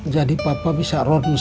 jadi papa bisa ronsen hari ini